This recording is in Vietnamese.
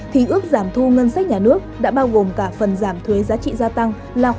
thì ước giảm thu ngân sách nhà nước đã bao gồm cả phần giảm thuế giá trị gia tăng